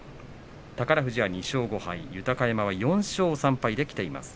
宝富士は２勝５敗、豊山は４勝３敗できています。